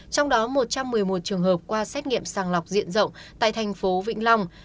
trong đó một trăm một mươi một trường hợp qua xét nghiệm sàng lọc diện rộng tại thành phố vĩnh long